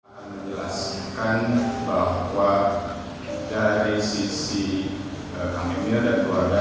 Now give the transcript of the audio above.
saya ingin menjelaskan bahwa dari sisi kami dan keluarga